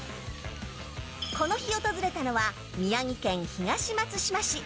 この日訪れたのは宮城県東松島市。